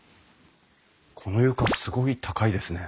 この床すごい高いですね。